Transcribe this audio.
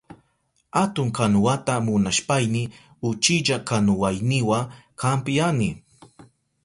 Atun kanuwata munashpayni uchilla kanuwayniwa kampyani.